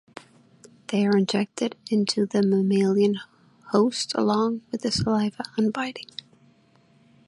They are injected into the mammalian host along with the saliva on biting.